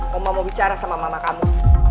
kamu mau bicara sama mama kamu